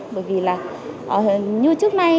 bởi vì là như trước nay